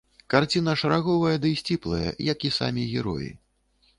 Карціна шараговая дый сціплая, як і самі героі.